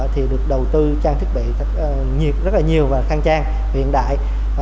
thì được đầu tư trang thiết bị rất là nhiều và khăn trang hiện đại